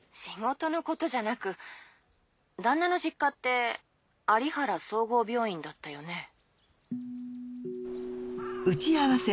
仕事のことじゃなく旦那の実家って有原総合病院だったよね？